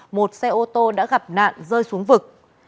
một xe ô tô đã gặp nạn rơi xuống vực